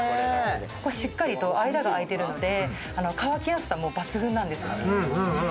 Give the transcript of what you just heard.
しっかりと間があいてるので、乾きやすさも抜群なんですよ。